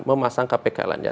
memasang kpk lainnya